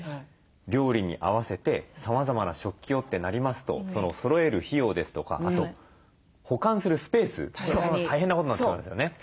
料理に合わせてさまざまな食器をってなりますとそろえる費用ですとかあと保管するスペース大変なことになっちゃいますよね。